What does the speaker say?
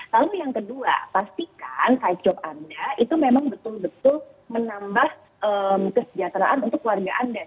lalu yang kedua pastikan side job anda itu memang betul betul menambah kesejahteraan untuk keluarga anda